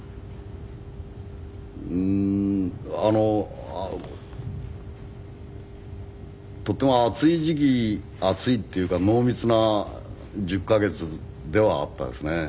うーん。とっても熱い時期熱いっていうか濃密な１０カ月ではあったですね。